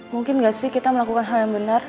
mungkin gak sih kita melakukan hal yang benar